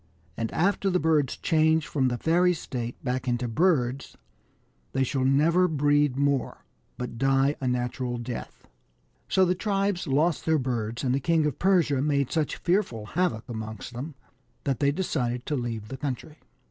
And after the birds change from the fairy state back into birds, they shall never breed more, but die a natural death." So the tribes lost their birds, and the King of Persia made such fearful havoc amongst them that they decided to leave the country.